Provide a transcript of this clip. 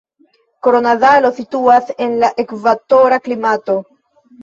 Koronadalo situas en la ekvatora klimato.